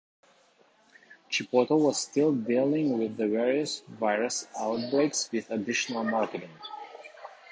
Chipotle was still dealing with the various virus outbreaks with additional marketing.